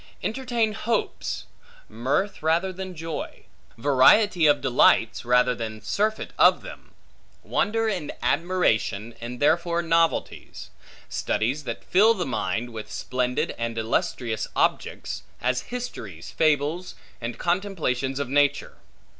Entertain hopes; mirth rather than joy; variety of delights, rather than surfeit of them; wonder and admiration, and therefore novelties; studies that fill the mind with splendid and illustrious objects, as histories, fables, and contemplations of nature.